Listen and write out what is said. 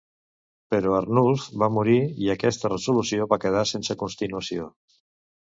Però Arnulf va morir, i aquesta resolució va quedar sense continuació.